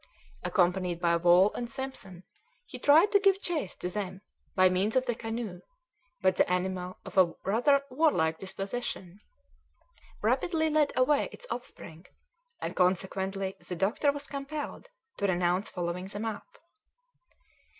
Accompanied by Wall and Simpson, he tried to give chase to them by means of the canoe; but the animal, of a rather warlike disposition, rapidly led away its offspring, and consequently the doctor was compelled to renounce following them up.